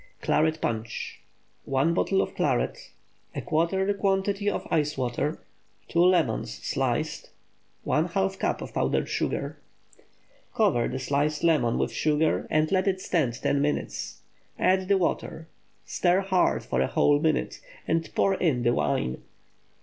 CLARET PUNCH. ✠ 1 bottle of claret. ¼ the quantity of ice water. 2 lemons, sliced. ½ cup powdered sugar. Cover the sliced lemon with sugar and let it stand ten minutes. Add the water; stir hard for a whole minute, and pour in the wine.